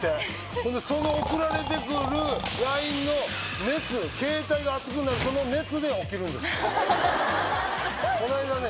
ほんでその送られてくるＬＩＮＥの熱ケータイが熱くなるその熱で起きるんですははははっ